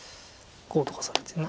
こうとかされて。